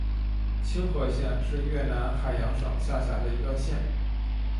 青河县是越南海阳省下辖的一个县。